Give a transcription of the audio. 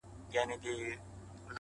په اور دي وسوځم ـ په اور مي مه سوځوه ـ